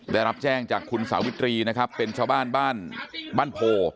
ได้รับแจ้งจากคุณสาวิตรีนะครับเป็นชาวบ้านบ้านบ้านโพ